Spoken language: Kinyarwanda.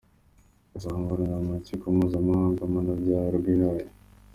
Akazaburanira mu rukiko mpuzamahanga mpanabyaha rw’I Haye.